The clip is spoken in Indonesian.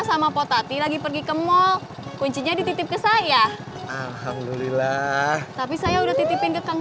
sampai jumpa di video selanjutnya